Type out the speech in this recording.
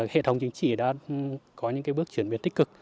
hệ thống chính trị đã có những bước chuyển biến tích cực